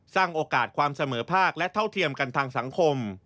สร้างโอกาสความเสมอภาคและเท่าเทียมกันทางสังคม